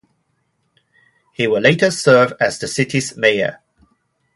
He would later serve as the city's mayor.